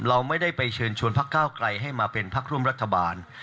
เราไม่ได้ไปเชิญชวนพักก้าวไกลให้มาเป็นพักร่วมรัฐบาล